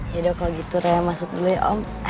yaudah kalau gitu re masuk dulu ya om